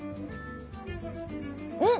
うん！